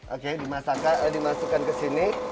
oke dimasukkan ke sini